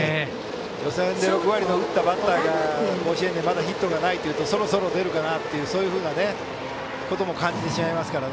予選で６割打ったバッターが甲子園でまだヒットがないというとそろそろ出るかなというそういうふうなことも感じてしまいますから。